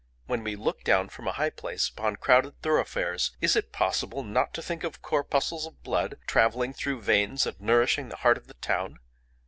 When we look down from a high place upon crowded thoroughfares, is it possible not to think of corpuscles of blood travelling through veins and nourishing the heart of the town?